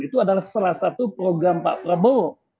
itu adalah salah satu program pak prabowo